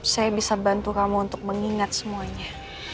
saya bisa bantu kamu untuk mengingat semuanya